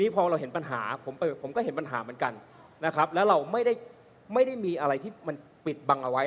ผมก็เห็นปัญหาเหมือนกันนะครับแล้วเราไม่ได้มีอะไรที่มันปิดบังเอาไว้